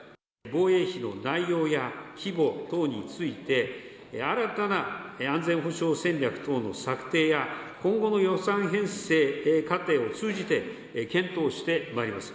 防衛費の内容や規模等について、新たな安全保障戦略等の策定や、今後の予算編成過程を通じて、検討してまいります。